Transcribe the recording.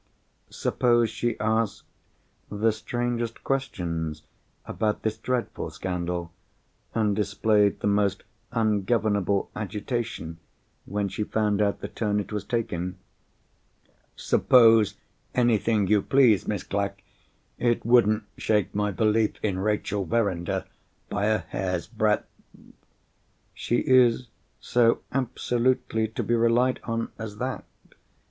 Suppose she asked the strangest questions about this dreadful scandal, and displayed the most ungovernable agitation when she found out the turn it was taking?" "Suppose anything you please, Miss Clack, it wouldn't shake my belief in Rachel Verinder by a hair's breadth." "She is so absolutely to be relied on as that?"